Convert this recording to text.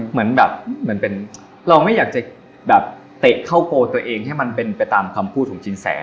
เหมือนแบบเราไม่อยากจะเตะเข้าโปรตัวเองให้มันเป็นไปตามความพูดของจินแส